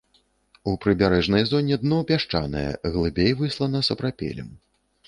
У прыбярэжнай зоне дно пясчанае, глыбей выслана сапрапелем.